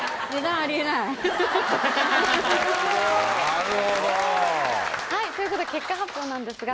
なるほど。ということで結果発表なんですが。